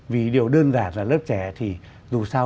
vì điều đơn giản là lớp trẻ thì dù sao